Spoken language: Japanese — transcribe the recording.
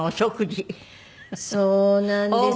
そうなんです。